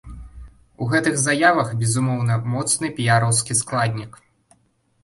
У гэтых заявах, безумоўна, моцны піяраўскі складнік.